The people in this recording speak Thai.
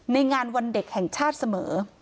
ในงานวันเด็กแห่งชาติเสมอ